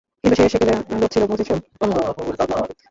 কিন্তু সে সেকেলে লোক ছিল, বুঝেছো?